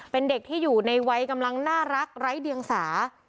เป็นเด็กที่อยู่ในวัยกำลังน่ารักไร้เดียงสา